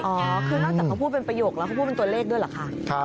อ๋องั้นต้องพูดเป็นประโยคแล้วพูดเป็นตัวเลขด้วยเหรอค่ะ